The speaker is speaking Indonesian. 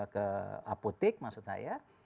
ke apotek maksud saya